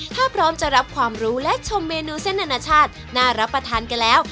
ถ้าพร้อมจะรับความรู้และชมเมนูเส้นอนาชาติน่ารับประทานกันแล้ว